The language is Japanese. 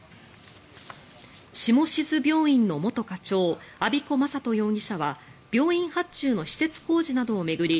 下志津病院の元課長安彦昌人容疑者は病院発注の施設工事などを巡り